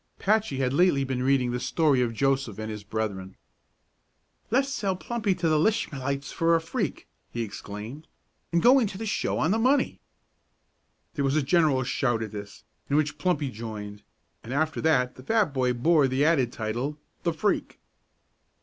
Patchy had lately been reading the story of Joseph and his brethren. "Le's sell Plumpy to the Lishmalites for a freak!" he exclaimed, "an' go into the show on the money." There was a general shout at this, in which Plumpy joined, and after that the fat boy bore the added title, "The Freak."